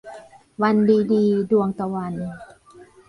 วันดีดี - ดวงตะวัน